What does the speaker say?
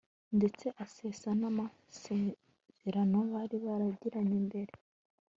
ndetse asesa n'amasezerano bari baragiranye mbere